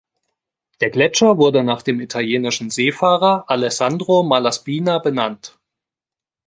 Der Gletscher wurde nach dem italienischen Seefahrer Alessandro Malaspina benannt.